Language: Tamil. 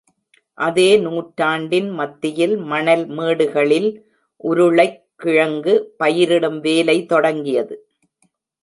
அதே நூற்றாண்டின் மத்தியில் மணல்மேடுகளில் உருளைக்கிழங்கு பயிரிடும் வேலை தொடங்கியது.